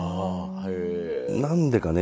何でかね